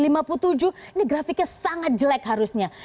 ini grafiknya sangat jelek harusnya